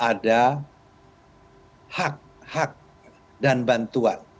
jadi ada hak hak dan bantuan